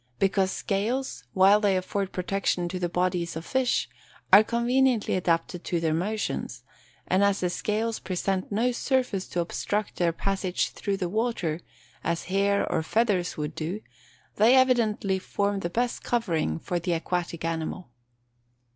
_ Because scales, while they afford protection to the bodies of fish, are conveniently adapted to their motions; and as the scales present no surface to obstruct their passage through the water, as hair or feathers would do, they evidently form the best covering for the aquatic animal.